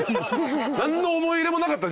何の思い入れもなかった？